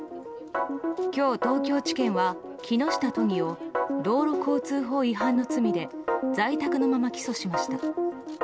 今日、東京地検は木下都議を道路交通法違反の罪で在宅のまま起訴しました。